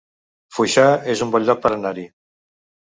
Foixà es un bon lloc per anar-hi